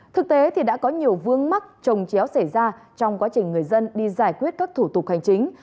thực tế thì đã có nhiều vương mắc trồng chéo xảy ra trong quá trình người dân đi giải quyết các thủ tục hành chính